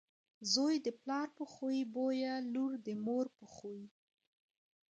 زوی دپلار په خوی بويه، لور دمور په خوی .